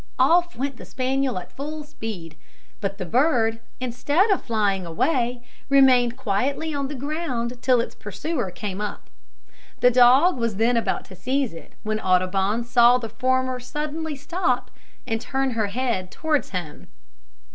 Off went the spaniel at full speed; but the bird, instead of flying away, remained quietly on the ground till its pursuer came up. The dog was then about to seize it, when Audubon saw the former suddenly stop, and turn her head towards him.